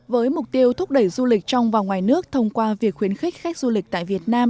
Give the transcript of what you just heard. với mục tiêu thúc đẩy du lịch trong và ngoài nước thông qua việc khuyến khích khách du lịch tại việt nam